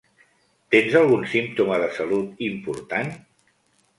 Tens algun símptoma de salut important?